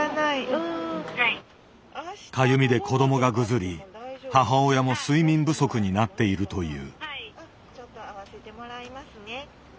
かゆみで子どもがぐずり母親も睡眠不足になっているという。